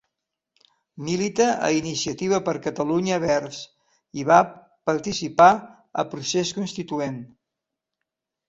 Milita a Iniciativa per Catalunya Verds i va participar a Procés Constituent.